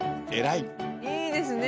いいですね！